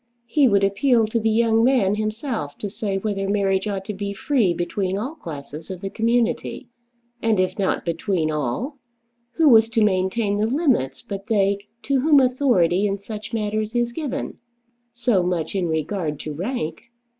He would appeal to the young man himself to say whether marriage ought to be free between all classes of the community. And if not between all, who was to maintain the limits but they to whom authority in such matters is given? So much in regard to rank!